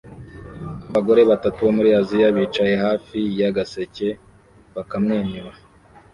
Abagore batatu bo muri Aziya bicaye hafi y'agaseke bakamwenyura